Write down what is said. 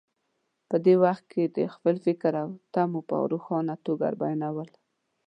په دې وخت کې د خپل فکر او تمو په روښانه توګه بیانول.